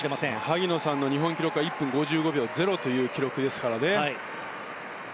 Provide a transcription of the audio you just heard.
萩野さんの日本記録は１分５４秒０という記録です。